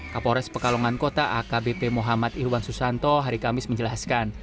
kapolres pekalongan kota akbp muhammad irwan susanto hari kamis menjelaskan